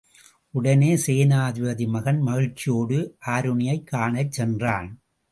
உடனே சேனாபதி மகன் மகிழ்ச்சியோடு ஆருணியைக் காணச் சென்றான்.